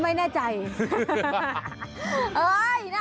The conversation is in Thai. สบัดข่าวเด็ก